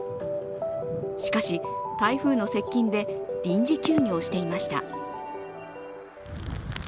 しかし、台風の接近で臨時休業していました。